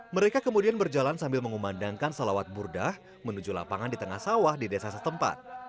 mereka kemudian berjalan sambil mengumandangkan salawat burdah menuju lapangan di tengah sawah di desa setempat